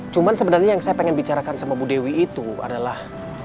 cuma sebenarnya yang saya pengen bicarakan sama bu dewi itu adalah